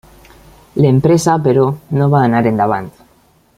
L’empresa, però, no va anar endavant.